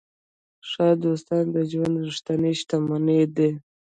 ښه دوستان د ژوند ریښتینې شتمني ده.